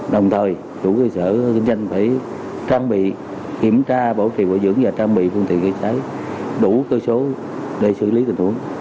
đồng thời chủ cơ sở kinh doanh phải trang bị kiểm tra bảo trì bảo dưỡng và trang bị phương tiện gây cháy đủ cơ số để xử lý tình huống